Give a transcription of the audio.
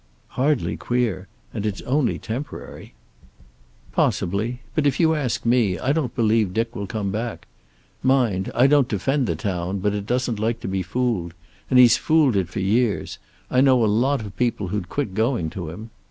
"Hardly queer. And it's only temporary." "Possibly. But if you ask me, I don't believe Dick will come back. Mind, I don't defend the town, but it doesn't like to be fooled. And he's fooled it for years. I know a lot of people who'd quit going to him."